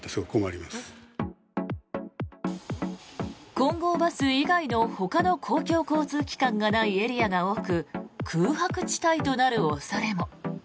金剛バス以外のほかの公共交通機関がないエリアが多く空白地帯となる恐れも。